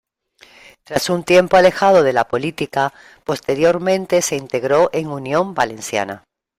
Tras un tiempo alejado de la política, posteriormente se integró en Unión Valenciana.